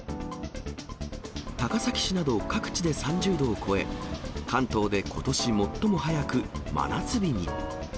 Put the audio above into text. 高崎市など各地で３０度を超え、関東でことし最も早く真夏日に。